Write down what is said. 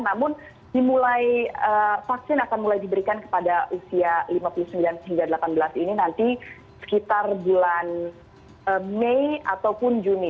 namun vaksin akan mulai diberikan kepada usia lima puluh sembilan hingga delapan belas ini nanti sekitar bulan mei ataupun juni